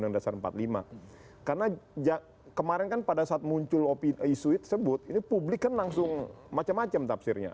karena kemarin kan pada saat muncul opi sebut ini publik kan langsung macam macam tafsirnya